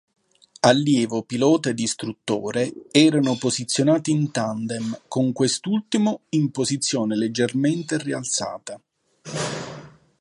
Allievo pilota ed istruttore erano posizionati in tandem, con quest'ultimo in posizione leggermente rialzata.